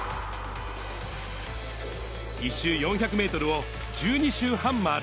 １周４００メートルを１２周半回る